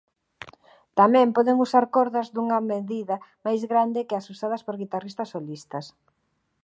Tamén poden usar cordas dunha medida máis grande que as usadas por guitarristas solistas.